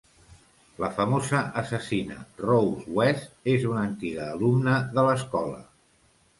La famosa assassina Rose West és una antiga alumna de l'escola.